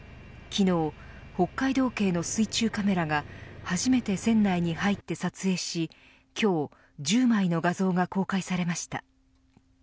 昨日、北海道警の水中カメラが初めて船内に入って撮影し今日１０枚の画像が公開されました。